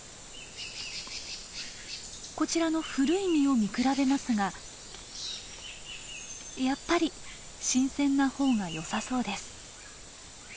こちらの古い実を見比べますがやっぱり新鮮なほうがよさそうです。